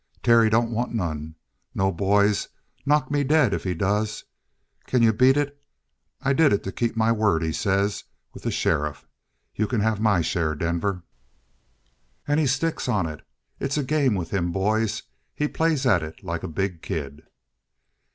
"Terry don't want none. No, boys, knock me dead if he does. Can you beat it? 'I did it to keep my word,' he says, 'with the sheriff. You can have my share, Denver.' "And he sticks on it. It's a game with him, boys. He plays at it like a big kid!"